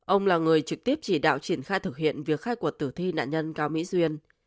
ông là người trực tiếp chỉ đạo triển khai thực hiện việc khai quật tử thi nạn nhân cao mỹ duyên